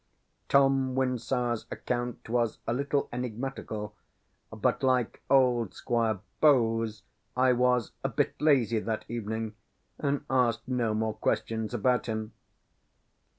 Tom Wyndsour's account was a little enigmatical; but, like old Squire Bowes, I was "a bit lazy" that evening, and asked no more questions about him.